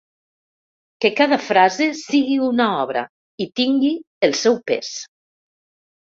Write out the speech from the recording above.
Que cada frase sigui una obra i tingui el seu pes.